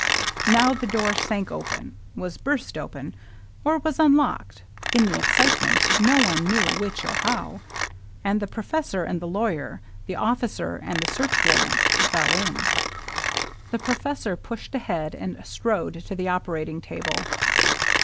" Now the door sank open, was burst open, or was unlocked, — in the excitement, no one knew which or how, — and the professor and the lawyer, the officer and the search warrant, fell in. 86 LOVELINESS. The professor pushed ahead^ and strode to the operating table.